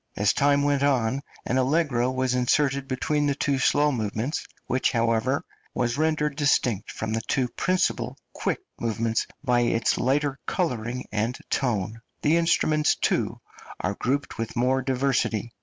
As time went on, an allegro was inserted between the two slow movements, which, however, was rendered distinct from the two principal quick movements by its lighter colouring and tone; the instruments, too, are grouped with more diversity.